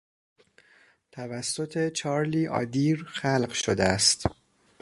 توسط چارلی آدیر خلق شده است.